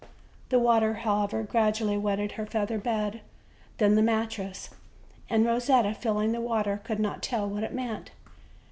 The water, how ever, gradually wetted her feather bed, then the mat tress; and Rosetta, feeling the water, could not tell what it meant.